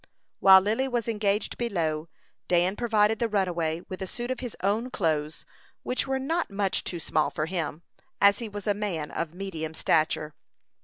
While Lily was engaged below, Dan provided the runaway with a suit of his own clothes, which were not much too small for him, as he was a man of medium stature.